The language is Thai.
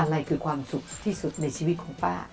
อะไรคือความสุขที่สุดในชีวิตของป้า